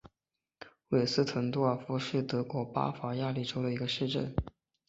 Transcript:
韦斯滕多尔夫是德国巴伐利亚州的一个市镇。